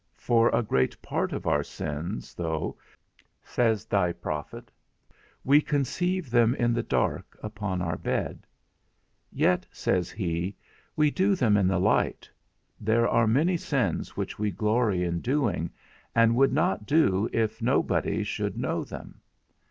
for a great part of our sins, though, says thy prophet, we conceive them in the dark, upon our bed, yet, says he, we do them in the light; there are many sins which we glory in doing, and would not do if nobody should know them.